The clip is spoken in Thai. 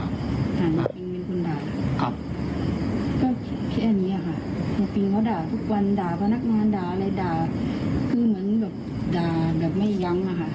อ่ะเนี่ยปิ๊งเป็นคนด่ายก็แค่นี้ค่ะเนี่ยปิ๊งเค้าด่าทุกวันด่ากับนักงานด่าอะไรด่าคือเหมือนแบบด่าแบบไม่ยั้งอ่ะค่ะ